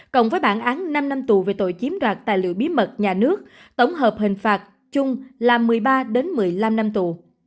cộng với bản án năm năm tù về tội chiếm đoạt tài liệu bí mật nhà nước tổng hợp hình phạt chung là một mươi ba một mươi năm năm tù